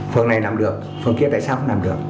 phòng này làm được phòng kia tại sao không làm được